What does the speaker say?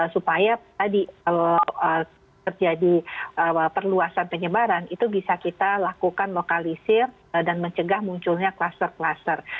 supaya tadi kalau terjadi perluasan penyebaran itu bisa kita lakukan lokalisir dan mencegah munculnya kluster kluster